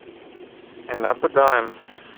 And up a dime.